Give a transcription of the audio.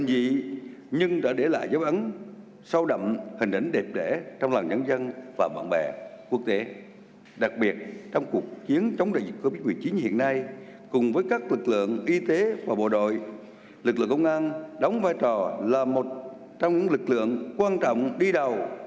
đóng vai trò là một trong những lực lượng quan trọng đi đào